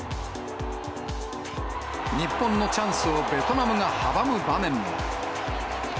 日本のチャンスをベトナムが阻む場面も。